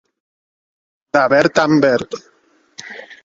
De verd en verd.